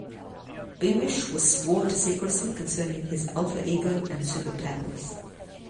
Beamish was sworn to secrecy concerning his alter-ego and super-powers.